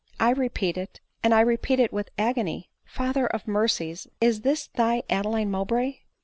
I repeat it, and I repeat it with agony. — Father of mercies ! is this thy Adeline Mow bray?"